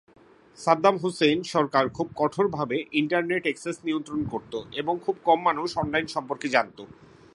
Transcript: সাদ্দাম হুসাইনের সরকার খুব কঠোরভাবে ইন্টারনেট এক্সেস নিয়ন্ত্রণ করত, এবং খুব কম মানুষ অনলাইন সম্পর্কে জানত।